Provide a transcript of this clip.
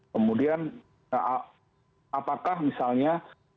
kemudian apakah misalnya